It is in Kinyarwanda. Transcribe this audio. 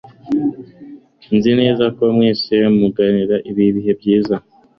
Nzi neza ko mwese muzagira ibihe byiza.